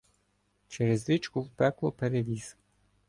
Чрез річку в пекло перевіз.